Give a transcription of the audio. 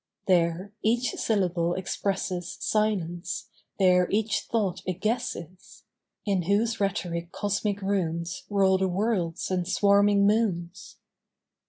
There each syllable expresses Silence; there each thought a guess is; In whose rhetoric's cosmic runes Roll the worlds and swarming moons.